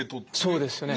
そうですね。